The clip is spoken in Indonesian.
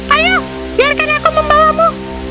ayo biarkan aku membawamu